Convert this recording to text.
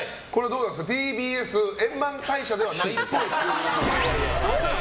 ＴＢＳ円満退社ではないっぽいはそうなの？